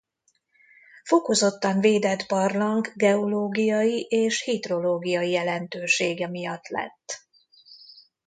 Fokozottan védett barlang geológiai és hidrológiai jelentősége miatt lett.